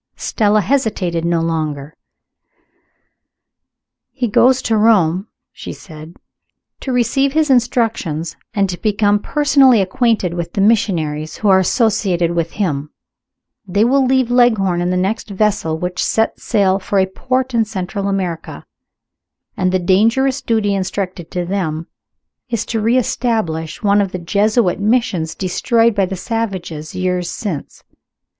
Stella hesitated no longer. "He goes to Rome," she said "to receive his instructions, and to become personally acquainted with the missionaries who are associated with him. They will leave Leghorn in the next vessel which sets sail for a port in Central America. And the dangerous duty intrusted to them is to re establish one of the Jesuit Missions destroyed by the savages years since.